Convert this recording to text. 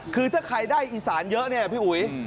คือถ้าใครได้อีสานเยอะพี่อุย